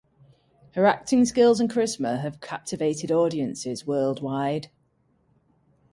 Her acting skills and charisma have captivated audiences worldwide.